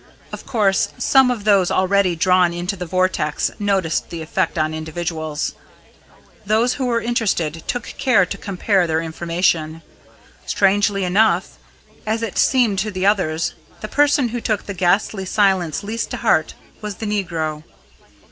Of course, some of those already drawn into the vortex noticed the effect on individuals. Those who were interested took care to compare their information. Strangely enough, as it seemed to the others, the person who took the ghastly silence least to heart was the negro.